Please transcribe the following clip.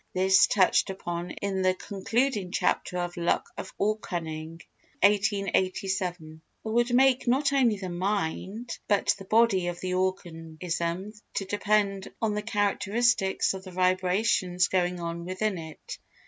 [This touched upon in the concluding chapter of Luck or Cunning? 1887.] I would make not only the mind, but the body of the organism to depend on the characteristics of the vibrations going on within it.